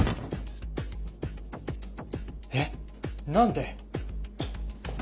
えっ？何で？